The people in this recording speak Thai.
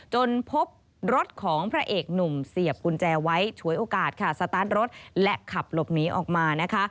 จนพบรถของพระเอกหนุ่มเสียบกุญแจไว้ฉวยโอกาสค่ะสตาร์ทรถและขับหลบหนีออกมานะคะ